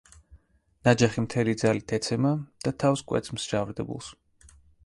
ნაჯახი მთელი ძალით ეცემა და თავს კვეთს მსჯავრდებულს.